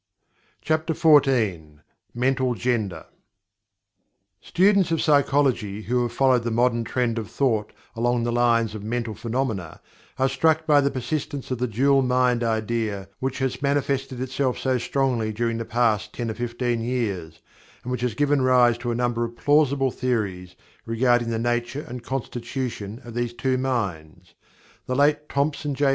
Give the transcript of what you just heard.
CHAPTER XIV MENTAL GENDER Students of psychology who have followed the modern trend of thought along the lines of mental phenomena are struck by the persistence of the dual mind idea which has manifested itself so strongly during the past ten or fifteen years, and which has given rise to a number of plausible theories regarding the nature and constitution of these "two minds." The late Thomson J.